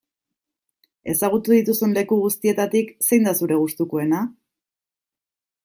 Ezagutu dituzun leku guztietatik zein da zure gustukoena?